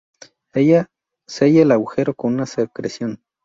Sella el agujero con una secreción.